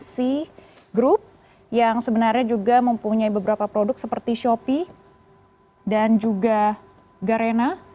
c group yang sebenarnya juga mempunyai beberapa produk seperti shopee dan juga garena